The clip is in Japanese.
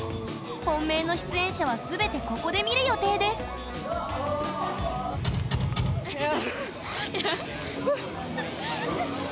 本命の出演者は全てここで見る予定ですフウ！